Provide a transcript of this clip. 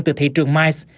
từ thị trường miles